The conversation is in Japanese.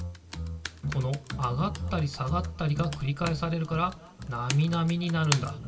この上がったり下がったりがくりかえされるからナミナミになるんだ。